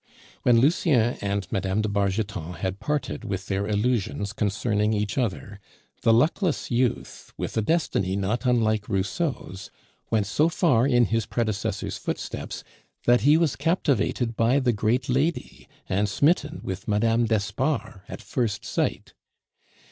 When Lucien and Mme. de Bargeton had parted with their illusions concerning each other, the luckless youth, with a destiny not unlike Rousseau's, went so far in his predecessor's footsteps that he was captivated by the great lady and smitten with Mme. d'Espard at first sight.